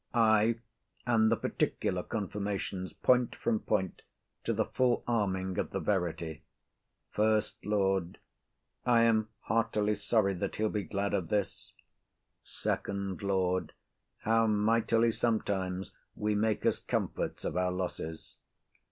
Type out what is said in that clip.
Ay, and the particular confirmations, point from point, to the full arming of the verity. SECOND LORD. I am heartily sorry that he'll be glad of this. FIRST LORD. How mightily sometimes we make us comforts of our losses!